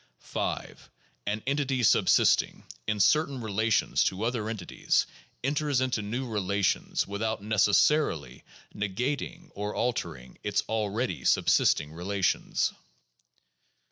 5. An entity subsisting in certain relations to other entities enters into new relations without necessarily negating or altering its already subsisting relations.